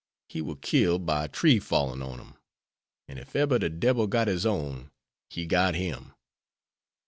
He war killed by a tree fallin' on him, an' ef eber de debil got his own he got him.